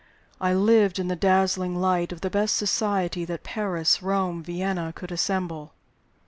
I lived in the dazzling light of the best society that Paris, Rome, Vienna could assemble.